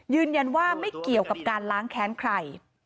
ยืนยันว่าไม่เกี่ยวกับการล้างแค้นใคร